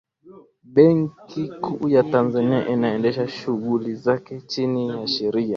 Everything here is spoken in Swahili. benki kuu ya tanzania inaendesha shughuli zake chini ya sheria